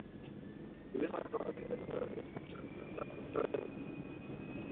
বিভিন্ন সময়ে প্রকাশিত সংগঠনটির পোস্টার, পুস্তিকা, প্রচারপত্রেও একই রকম কথা বলা হয়।